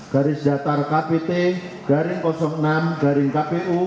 garis datar kpt garing enam garing kpu